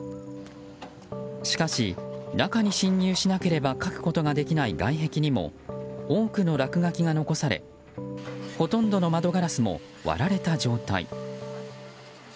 しかし、中に侵入しなければ描くことができない外壁にも、多くの落書きが残されほとんどの窓ガラスも割られた状態。